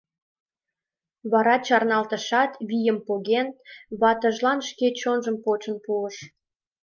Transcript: Вара чарналтышат, вийым поген, ватыжлан шке чонжым почын пуыш: